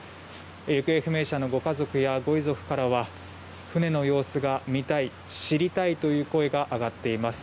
行方不明者のご家族やご遺族からは船の様子が見たい、知りたいという声が上がっています。